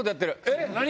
えっ何